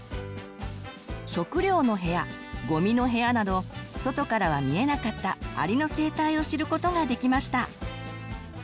「しょくりょうのへや」「ごみのへや」など外からは見えなかったアリの生態を知ることができました。